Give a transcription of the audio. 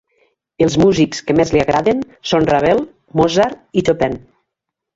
Els músics que més li agraden són Ravel, Mozart i Chopin.